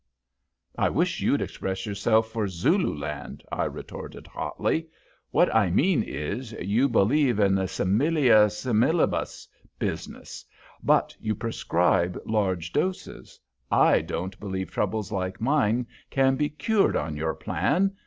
"I wish you'd express yourself for Zulu land," I retorted, hotly. "What I mean is, you believe in the similia similibus business, but you prescribe large doses. I don't believe troubles like mine can be cured on your plan.